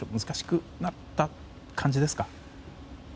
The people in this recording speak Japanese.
難しくなった感じですか？